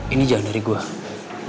ini jangan dari gue